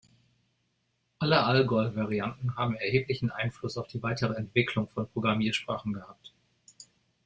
Alle Algol-Varianten haben erheblichen Einfluss auf die weitere Entwicklung von Programmiersprachen gehabt.